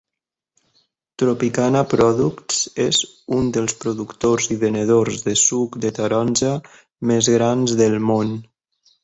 Tropicana Products és un dels productors i venedors de suc de taronja més grans del món.